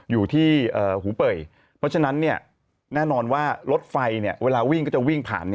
อยู่ที่หูเป่ยเพราะฉะนั้นแน่นอนว่ารถไฟเวลาวิ่งก็จะวิ่งผ่าน